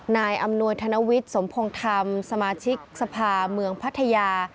นายอำนวยธนวิทย์สมพงศ์ธรรมสมาชิกสภาเมืองพัทยา